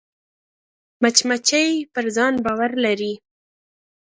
مچمچۍ پر ځان باور لري